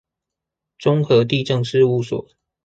中和地政事務所